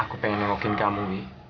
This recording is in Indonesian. aku pengen nengokin kamu wi